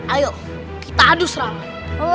ayo kita adu seramai